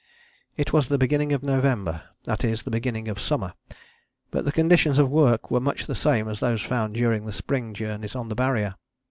It was the beginning of November: that is, the beginning of summer; but the conditions of work were much the same as those found during the spring journeys on the Barrier.